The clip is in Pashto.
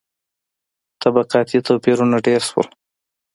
• طبقاتي توپیرونه ډېر شول.